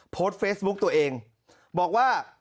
โพสต์เฟซบุ๊กตัวเองบอกว่า